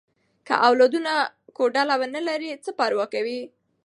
که اولادونه کوډله ونه لري، څه پروا کوي؟